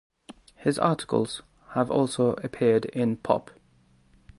His articles have also appeared in Pop!